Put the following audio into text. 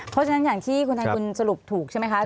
เพราะฉะนั้นอย่างที่คุณไทยบุญสรุปถูกใช่ไหมคะ